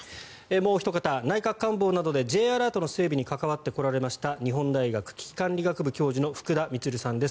もうひと方内閣官房などでＪアラートの整備などに関わってこられました日本大学危機管理学部教授の福田充さんです。